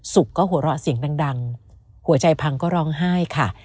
ก็หัวเราะเสียงดังหัวใจพังก็ร้องไห้ค่ะ